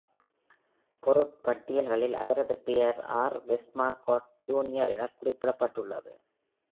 பொருள் பட்டியல்களில் அவரது பெயர் ஆர். வெஸ்ட்மாக்கோட், ஜூனியர் எனக் குறிப்பிடப்பட்டுள்ளது.